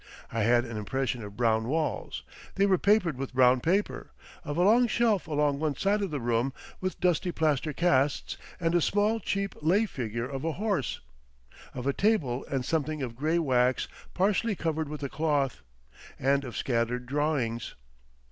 I had an impression of brown walls—they were papered with brown paper—of a long shelf along one side of the room, with dusty plaster casts and a small cheap lay figure of a horse, of a table and something of grey wax partially covered with a cloth, and of scattered drawings.